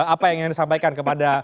apa yang ingin disampaikan kepada